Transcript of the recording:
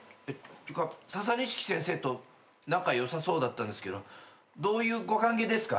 ササニシキ先生と仲よさそうだったんですけどどういうご関係ですか？